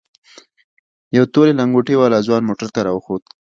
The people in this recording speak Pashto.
يو تورې لنگوټې والا ځوان موټر ته راوخوت.